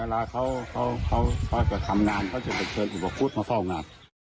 เวลาเขาจะทำงานเขาจะไปเชิญอุปคุฎมาเฝ้างาน